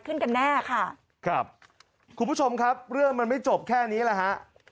กันแน่ค่ะครับคุณผู้ชมครับเรื่องมันไม่จบแค่นี้แหละฮะ